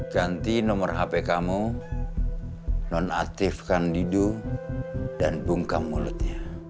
ganti nomor hp kamu nonaktifkan didu dan bungkam mulutnya